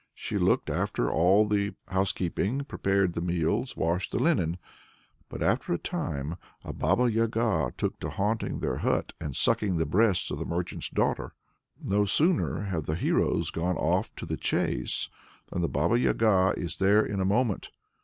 She looked after all the housekeeping, prepared the meals, washed the linen. But after a time a Baba Yaga took to haunting their hut and sucking the breasts of the merchant's daughter. No sooner have the heroes gone off to the chase, than the Baba Yaga is there in a moment.